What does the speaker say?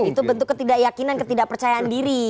itu bentuk ketidakyakinan ketidakpercayaan diri